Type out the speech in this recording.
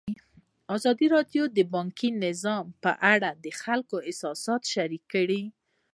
ازادي راډیو د بانکي نظام په اړه د خلکو احساسات شریک کړي.